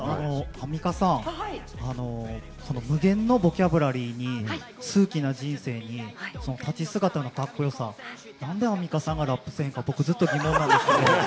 アンミカさん、その無限のボキャブラリーに数奇な人生に、立ち姿のカッコよさ、なんでアンミカさんがラップせぇへんのか僕、ずっと疑問なんですけれども。